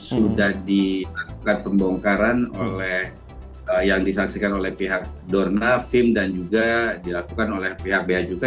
sudah dilakukan pembongkaran oleh yang disaksikan oleh pihak dorna fim dan juga dilakukan oleh pihak bea juga